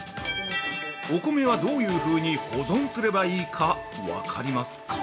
お米は、どういうふうに保存すればいいか分かりますか？